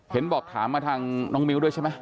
เห็นบอกถามมาทางน้องมิ้วด้วยใช่ไหม